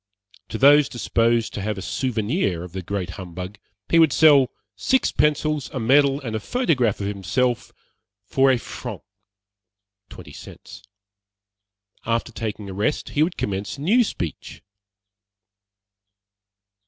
To those disposed to have a souvenir of the great humbug he would sell six pencils, a medal and a photograph of himself for a franc (twenty cents.) After taking a rest he would commence a new speech.